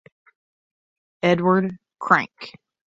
Edward Cranke.